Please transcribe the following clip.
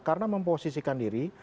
karena memposisikan diri